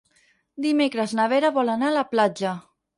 Dimecres na Vera vol anar a la platja.